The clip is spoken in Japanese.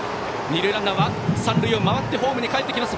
二塁ランナーは三塁を回ってホームにかえってきます。